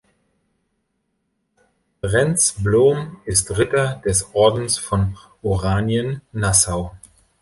Rens Blom ist Ritter des Ordens von Oranien-Nassau.